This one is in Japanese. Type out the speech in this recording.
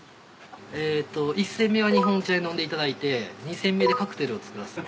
えっと１煎目は日本茶で飲んでいただいて２煎目でカクテルを作らせて。